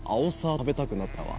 食べたくなってきたわ。